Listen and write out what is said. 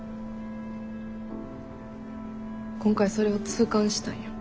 今回それを痛感したんよ。